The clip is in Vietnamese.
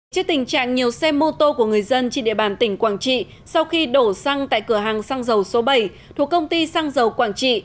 trước tình trạng nhiều xe mô tô của người dân trên địa bàn tỉnh quảng trị sau khi đổ xăng tại cửa hàng xăng dầu số bảy thuộc công ty xăng dầu quảng trị